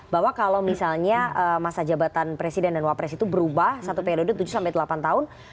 bahwa kalau misalnya masa jabatan presiden dan wapres itu berubah satu periode tujuh sampai delapan tahun